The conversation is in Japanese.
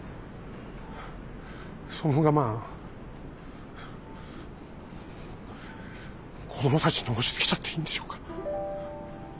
その我慢子供たちに押しつけちゃっていいんでしょうか？